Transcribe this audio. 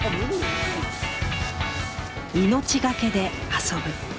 「命がけで遊ぶ」